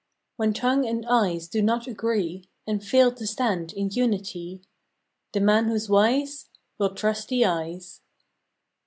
When tongue and eyes do not agree And fail to stand in unity, The man who s wise Will trust the eyes!